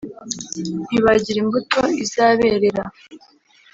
ntibagira imbuto izaberera